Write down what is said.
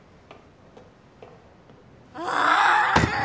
ああ！